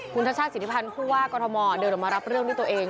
คุณชัชชาติสิทธิพันธ์ผู้ว่ากรทมเดินออกมารับเรื่องด้วยตัวเอง